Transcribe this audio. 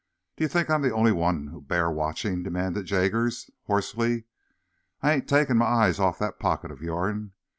"D'ye think I'm the only one'll bear watching?" demanded Jaggers, hoarsely. "I ain't taken my eyes off that pocket o' your 'n.